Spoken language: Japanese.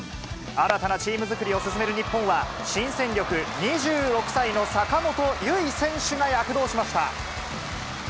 新たなチーム作りを進める日本は、新戦力、２６歳の坂本結愛選手が躍動しました。